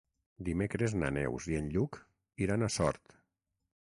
Dimecres na Neus i en Lluc iran a Sort.